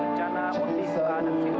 menjana menjisak dan disitu